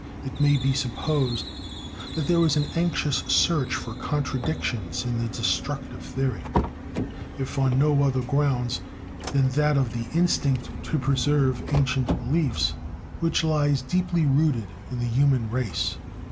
It may be supposed that there was an anxious search for contradictions in the destructive theory, if on no other grounds than that of the instinct to preserve ancient beliefs, which lies deeply rooted in the human race.